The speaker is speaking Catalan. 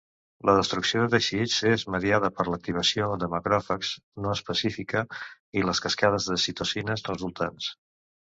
La destrucció de teixits és mediada per l'activació de macròfags no específica i les cascades de citocines resultants.